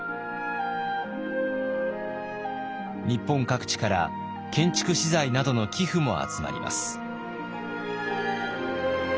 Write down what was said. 日本各地から建築資材などの寄付も集まります。